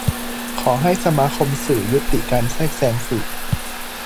ขอให้สมาคมสื่อยุติการแทรกแซงสื่อ